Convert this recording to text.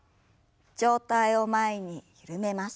上体を前に緩めます。